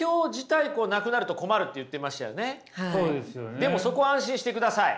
でもそこは安心してください。